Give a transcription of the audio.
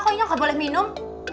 kok ini ga boleh minum